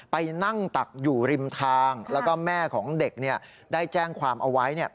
ไปนั่งตักอยู่ริมทางแล้วก็แม่ของเด็กได้แจ้งความเอาไว้